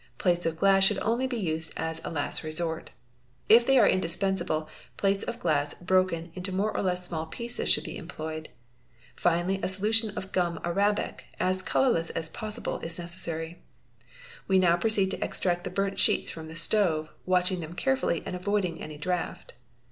Plates of glass should only be used as a last resort. If they are indispensable, panes of glass broken into more or less small pieces should be employed. Finally a solution of gum arabic, as colourless as possible, is necessary. We now proceed to extract the burnt sheets from the stove, watching them carefully and avoiding any draught.